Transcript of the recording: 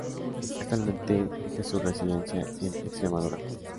Actualmente fija su residencia en Extremadura.